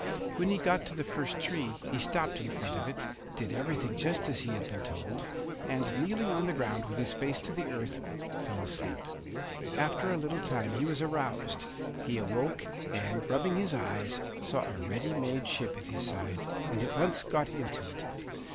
When he got to the first tree he stopped in front of it, did everything just as he had been told, and, kneeling on the ground with his face to the earth, fell asleep. After a little time he was aroused; he awoke and, rubbing his eyes, saw a ready made ship at his side, and at once got into it.